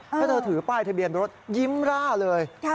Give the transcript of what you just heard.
ถ้าเธอถือป้ายทะเบียนรถยิ้มร่าเลย